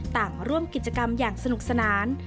ต่างร่วมกิจกรรมอย่างสนุกสนาน